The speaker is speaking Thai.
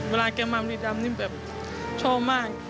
เวลาแกมาบุรีดำนี่แบบชอบมาก